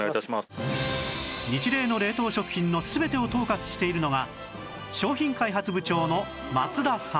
ニチレイの冷凍食品の全てを統括しているのが商品開発部長の松田さん